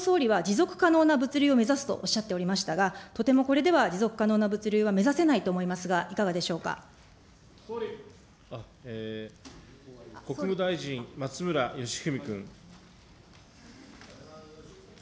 先ほど総理は、持続可能な物流を目指すとおっしゃっておりましたが、とてもこれでは持続可能な物流は目指せないと思いますが、い国務大臣、松村祥史君。